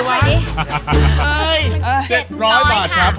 เฮ้ย๗๐๐ค่ะ